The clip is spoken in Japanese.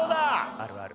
あるある。